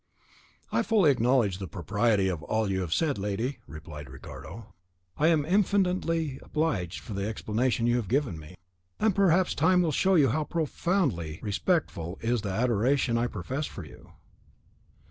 "I fully acknowledge the propriety of all you have said, lady," replied Ricardo. "I am infinitely obliged for the explanation you have given me, and perhaps time will show you how profoundly respectful is the adoration I profess for you.